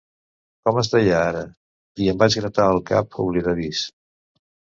Com es deia ara?" I em vaig gratar el cap oblidadís.